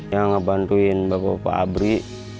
yang membantu bapak bapak abri